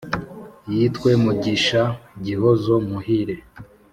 yitwe mugisha, gihozo, muhire,